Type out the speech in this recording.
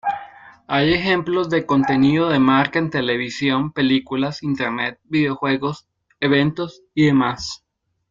Hay ejemplos de contenido de marca en televisión, películas, Internet, videojuegos, eventos y demás.